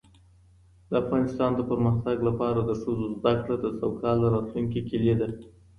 د افغانستان د پرمختګ لپاره د ښځو زدهکړه د سوکاله راتلونکي کیلي ده.